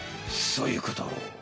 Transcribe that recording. そういうこと。